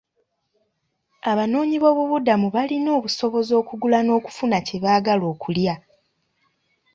Abanoonyiboobubudamu balina obusobozi okugula n'okufuna kye baagala okulya.